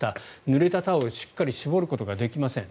ぬれたタオルをしっかり絞ることができません